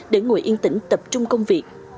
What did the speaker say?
để ngồi yên tĩnh tập trung công việc